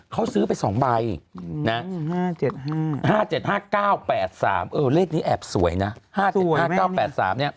๕๗๕๙๘๓เขาซื้อไป๒ใบ๕๗๕๙๘๓เลขนี้แอบสวยนะ๕๗๕๙๘๓นะครับ